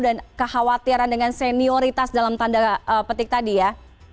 dan kekhawatiran dengan senioritas dalam tanda petik tadi ya